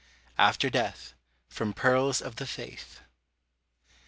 AFTER DEATH. FROM "PEARLS OF THE FAITH."